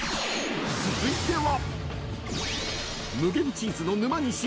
［続いては］